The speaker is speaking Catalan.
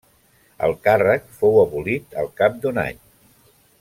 El càrrec fou abolit al cap d'un any.